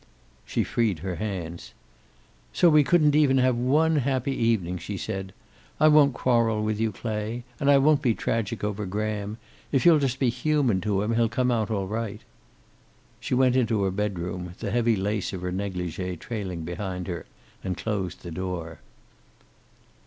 She freed her hands. "So we couldn't even have one happy evening!" she said. "I won't quarrel with you, Clay. And I won't be tragic over Graham. If you'll just be human to him, he'll come out all right." She went into her bedroom, the heavy lace of her negligee trailing behind her, and closed the door.